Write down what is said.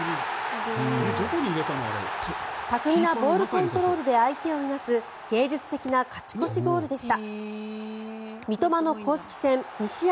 巧みなボールコントロールで相手をいなす芸術的な勝ち越しゴールでした。